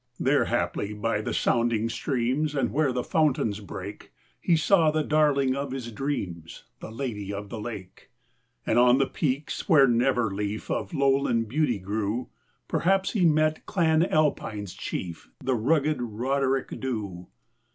There haply by the sounding streams, And where the fountains break, He saw the darling of his dreams, The Lady of the Lake. And on the peaks where never leaf Of lowland beauty grew, Perhaps he met Clan Alpine's chief, The rugged Roderick Dhu.